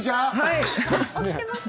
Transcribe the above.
はい。